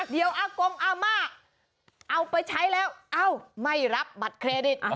เดี๋ยวอากงอาม่าเอาไปใช้แล้วเอ้าไม่รับบัตรเครดิต